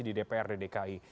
di dprd dki